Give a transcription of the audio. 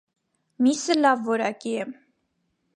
Միսը լավ որակի է։